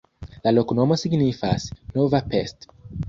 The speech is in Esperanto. La loknomo signifas: nova Pest.